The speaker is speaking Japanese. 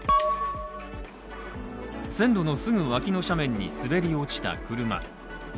線路のすぐ脇の斜面に滑り落ちた車。